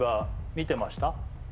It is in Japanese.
見てました？